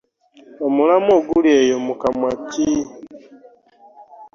Omulamwa oguli eyo mukamwa ki?